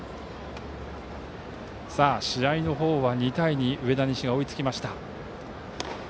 試合の方は２対２と上田西が追いつきました。